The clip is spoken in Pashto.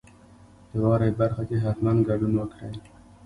د واورئ برخه کې حتما ګډون وکړئ.